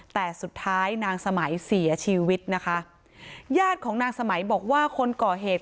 แต่สุดท้ายนางสมัยเสียชีวิตนะคะญาติของนางสมัยบอกว่าคนก่อเหตุ